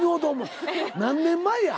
何年前や？